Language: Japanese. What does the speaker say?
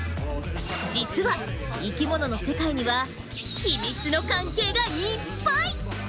実は生きものの世界にはヒミツの関係がいっぱい！